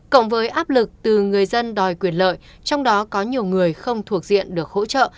cộng với áp lực từ người dân đòi quyền lợi trong đó có nhiều người không thuộc diện được hỗ trợ